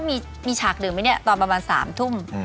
มีฉากดื่มไหมเนี่ยตอนประมาณ๓ทุ่ม